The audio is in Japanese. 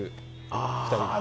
２人。